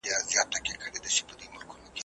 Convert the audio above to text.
چي زمري د غوايي ولیدل ښکرونه ,